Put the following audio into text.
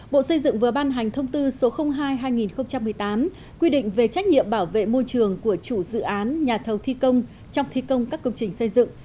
bộ xây dựng vừa ban hành thông tư số hai hai nghìn một mươi tám quy định về trách nhiệm bảo vệ môi trường của chủ dự án nhà thầu thi công trong thi công các công trình xây dựng